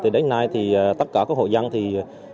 thì đến nay thì tất cả các hội dân thì cơ bản là